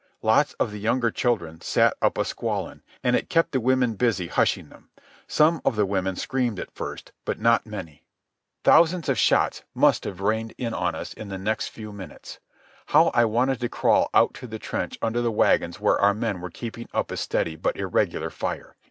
Lots of the younger children set up a squalling, and it kept the women busy hushing them. Some of the women screamed at first, but not many. Thousands of shots must haven rained in on us in the next few minutes. How I wanted to crawl out to the trench under the wagons where our men were keeping up a steady but irregular fire!